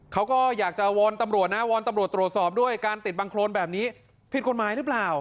เขาก็อยากจะวอนตำรวจนะวอนตำรวจตรวจสอบด้วยการติดบังโครนแบบนี้ผิดกฎหมายหรือเปล่า